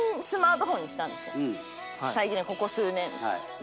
最近ここ数年で。